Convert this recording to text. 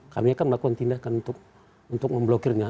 kami akan melakukan tindakan untuk memblokirnya